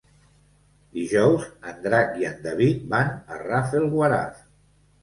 Dijous en Drac i en David van a Rafelguaraf.